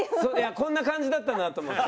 こんな感じだったなと思って。